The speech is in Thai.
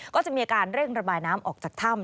ก็จะมีการเร่งระบายน้ำออกจากถ้ำ